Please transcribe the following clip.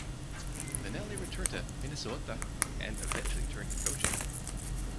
Vannelli returned to Minnesota and eventually turned to coaching.